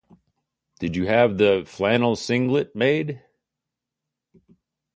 Did you have that flannel singlet made?